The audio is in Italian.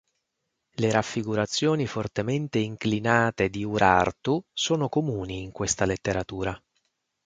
Le raffigurazioni fortemente inclinate di Urartu sono comuni in questa letteratura.